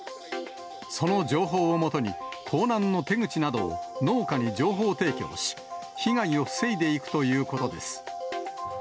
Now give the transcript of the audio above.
その情報をもとに、盗難の手口などを農家に情報提供し、被害を防いでいくということです。